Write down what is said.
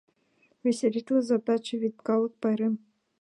Веселитлыза, таче вет калык пайрем!..